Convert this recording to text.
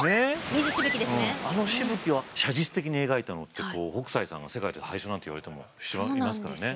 あのしぶきを写実的に描いたのって北斎さんが世界で最初なんていわれてもいますからね。